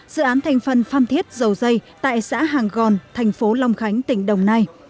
dự án thành phần phan thiết dầu dây tại xã hàng gòn thành phố long khánh tỉnh đồng nai